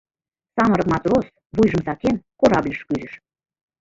Самырык матрос, вуйжым сакен, корабльыш кӱзыш.